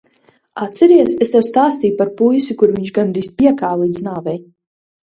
Atceries, es tev stāstīju par to puisi, kuru viņš gandrīz piekāva līdz nāvei?